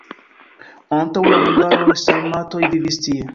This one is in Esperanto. Antaŭ la hungaroj sarmatoj vivis tie.